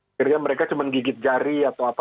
akhirnya mereka cuma gigit jari atau apa